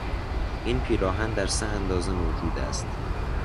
این پیراهن در سه اندازه موجود است.